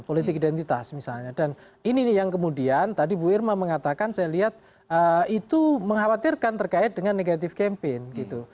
politik identitas misalnya dan ini nih yang kemudian tadi bu irma mengatakan saya lihat itu mengkhawatirkan terkait dengan negatif campaign gitu